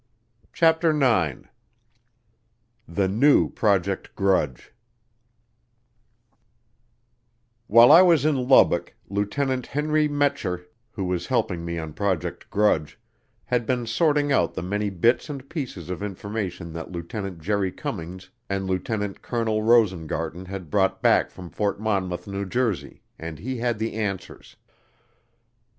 CHAPTER NINE The New Project Grudge While I was in Lubbock, Lieutenant Henry Metscher, who was helping me on Project Grudge, had been sorting out the many bits and pieces of information that Lieutenant Jerry Cummings and Lieutenant Colonel Rosengarten had brought back from Fort Monmouth, New Jersey, and he had the answers.